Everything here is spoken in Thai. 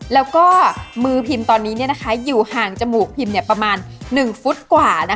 แล้วก็มือพิมพ์ตอนนี้อยู่ห่างจมูกพิมประมาณ๑ฟุตกว่า